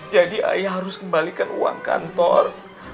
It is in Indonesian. jadi ayah harus kembalikan uang kantor